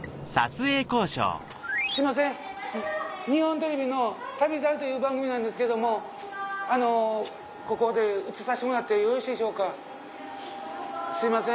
すいません日本テレビの『旅猿』という番組なんですけどもあのここで写させてもらってよろしいでしょうか？